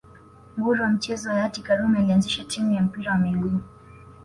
Nguri wa michezo hayati karume alianzisha timu ya mpira wa miguu